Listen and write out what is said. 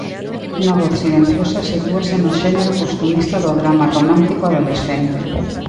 Unha voz silenciosa sitúase no xénero costumista do drama romántico adolescente.